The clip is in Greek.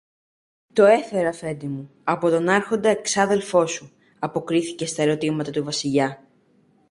Τα έφερα, Αφέντη μου, από τον Άρχοντα εξάδελφο σου, αποκρίθηκε στα ρωτήματα του Βασιλιά.